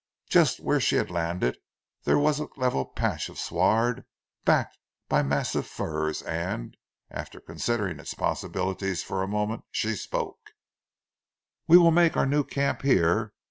Just where she had landed, there was a level patch of sward, backed by massive firs and, after considering its possibilities for a moment she spoke: "We will make our new camp here!